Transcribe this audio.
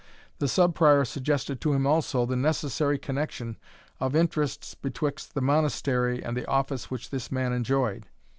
The Sub Prior suggested to him also, the necessary connexion of interests betwixt the Monastery and the office which this man enjoyed.